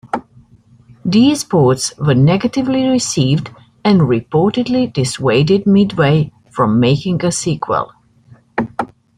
These ports were negatively received and reportedly dissuaded Midway from making a sequel.